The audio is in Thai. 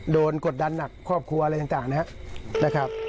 กดดันหนักครอบครัวอะไรต่างนะครับ